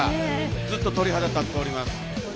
ずっと鳥肌立っております。